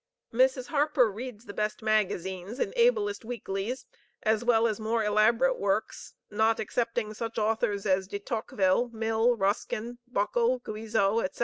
Mrs. Harper reads the best magazines and ablest weeklies, as well as more elaborate works, not excepting such authors as De Tocqueville, Mill, Ruskin, Buckle, Guizot, &c.